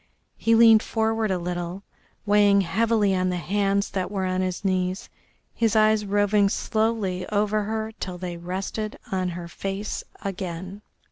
He leaned forward a little, weighing heavily on the hands that were on his knees, his eyes roving slowly over her till they rested on her face again.